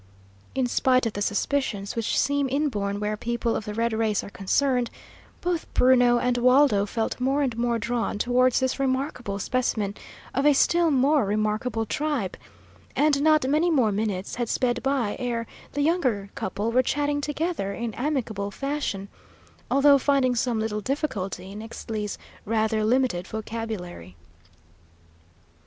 In spite of the suspicions, which seem inborn where people of the red race are concerned, both Bruno and Waldo felt more and more drawn towards this remarkable specimen of a still more remarkable tribe; and not many more minutes had sped by ere the younger couple were chatting together in amicable fashion, although finding some little difficulty in Ixtli's rather limited vocabulary.